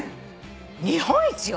日本一よ？